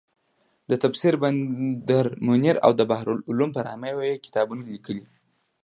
د تفسیر بدرمنیر او بحرالعلوم په نامه یې کتابونه لیکلي دي.